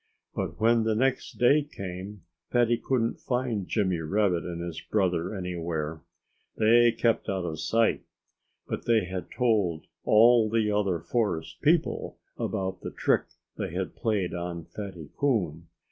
But when the next day came, Fatty couldn't find Jimmy Rabbit and his brother anywhere. They kept out of sight. But they had told all the other forest people about the trick they had played on Fatty Coon.